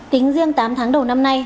tính riêng tám tháng đầu năm nay